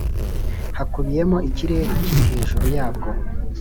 hakubiyemo ikirere kiri hejuru yabwo